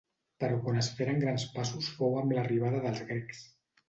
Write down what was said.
Però quan es feren grans passos fou amb l'arribada dels grecs.